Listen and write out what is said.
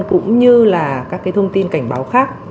cũng như là các thông tin cảnh báo khác